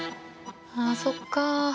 あそっか。